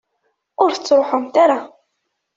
Ur tettruḥumt ara.